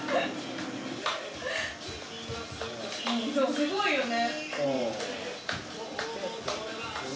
すごいよね。